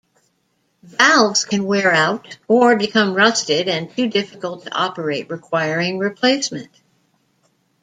Valves can wear out or become rusted and too difficult to operate requiring replacement.